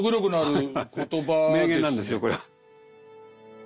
名言なんですよこれは。